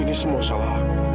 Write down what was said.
ini semua salah